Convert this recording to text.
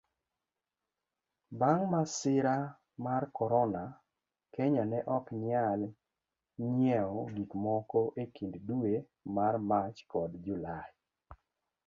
bang' masira marcorona, Kenya ne oknyal nyiewo gikmoko ekind dwe mar Mach kod Julai.